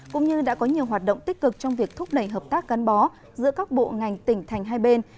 cũng như đã có nhiều hoạt động tích cực trong việc thúc đẩy hợp tác gắn bó giữa các bộ ngành tỉnh thành hai bên